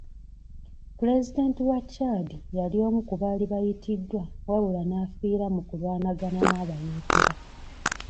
Pulezidenti wa Chad yali omu ku baali bayitiddwa wabula n'afiira mu kulwanagana n'abayeekera.